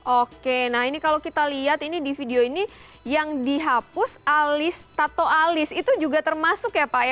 oke nah ini kalau kita lihat ini di video ini yang dihapus alis tato alis itu juga termasuk ya pak ya